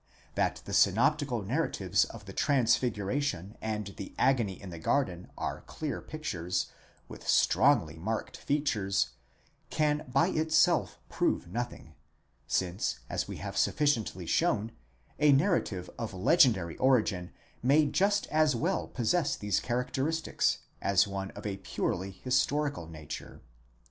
That the synoptical narratives of the transfiguration and the agony in the garden are clear pictures, with strongly marked features, can by itself prove nothing ; since, as we have sufficiently shown, a narrative of legendary origin may just as well possess these char acteristics as one of a purely historical nature.